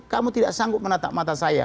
kamu tidak sanggup menatap mata saya